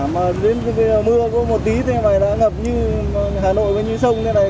mà đến bây giờ mưa có một tí thế này đã ngập như hà nội với như sông thế này